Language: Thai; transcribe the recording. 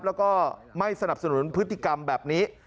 แล้วก็ไม่สนับสนุนพฤติกรรมแบบนี้